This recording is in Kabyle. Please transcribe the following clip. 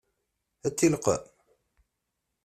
Ad tent-ileqqem?